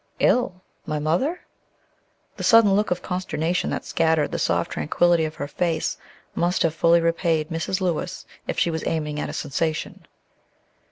"Ill my mother?" The sudden look of consternation that scattered the soft tranquillity of her face must have fully repaid Mrs. Lewis if she was aiming at a sensation.